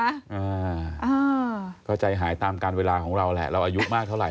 อ่าก็ใจหายตามการเวลาของเราแหละเราอายุมากเท่าไห